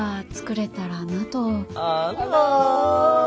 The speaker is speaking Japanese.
あら。